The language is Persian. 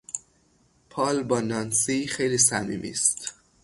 پال با نانسی خیلی صمیمی است.